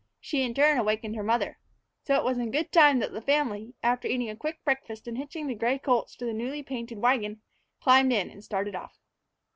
She, in turn, awakened her mother. So it was in good time that the family, after eating a quick breakfast and hitching the gray colts to the newly painted wagon, climbed in and started off.